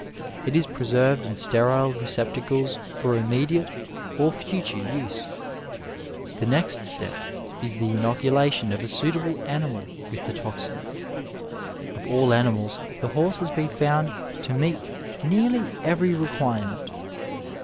It is preserved in sterile receptacles for immediate or future use. The next step is the inoculation of a suitable animal with the toxin. Of all animals the horse has been found to meet nearly every requirement.